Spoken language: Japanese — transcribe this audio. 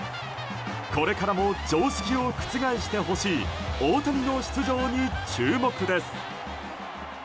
これからも常識を覆してほしい大谷の出場に注目です。